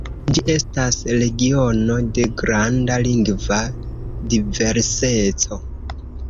Ĝi estas regiono de granda lingva diverseco.